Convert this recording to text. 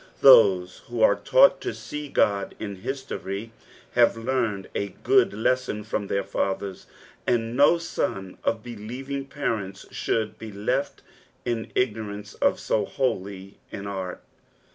Those who are taught to see Qod in biKtory bare learned a good lesson from their fathers, and no son of beiieTing parents should be left in ignorance of so holy an art.